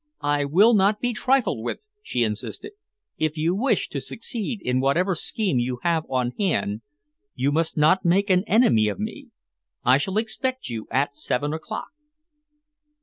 "I will not be trifled with," she insisted. "If you wish to succeed in whatever scheme you have on hand, you must not make an enemy of me. I shall expect you at seven o'clock."